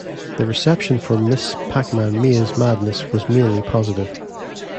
The reception for Ms. Pac-Man Maze Madness was mainly positive.